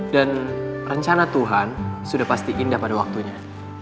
dan rencana tuhan sudah pasti indah pada waktunya